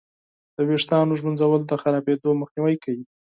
د ویښتانو ږمنځول د خرابېدو مخنیوی کوي.